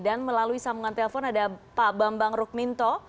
dan melalui sambungan telepon ada pak bambang rukminto